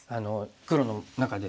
黒の中で。